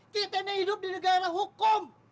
kita ini hidup di negara hukum